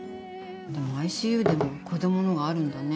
でもＩＣＵでも子供のがあるんだね。